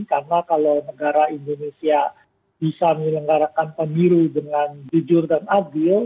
karena kalau negara indonesia bisa melenggarakan pemiru dengan jujur dan adil